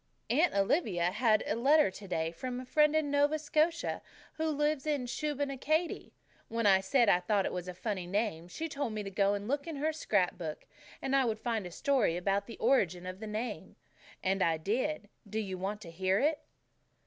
Aunt Olivia had a letter today from a friend in Nova Scotia, who lives in Shubenacadie. When I said I thought it a funny name, she told me to go and look in her scrap book, and I would find a story about the origin of the name. And I did. Don't you want to hear it?"